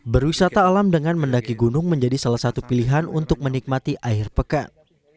berwisata alam dengan mendaki gunung menjadi salah satu pilihan untuk menikmati akhir pekan